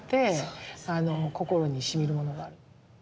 心にしみるものがある。